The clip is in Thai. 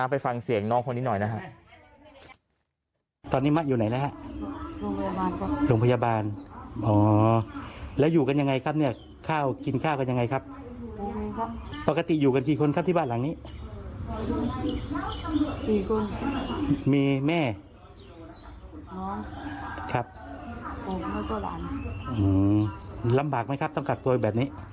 ไปฟังเสียงน้องคนนี้หน่อยนะครับ